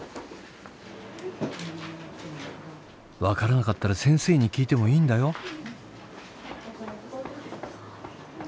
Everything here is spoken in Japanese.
分からなかったら先生に聞いてもいいんだよ。